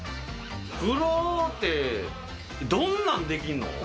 黒ってどんなんできんの？